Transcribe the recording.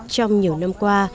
trong nhiều năm qua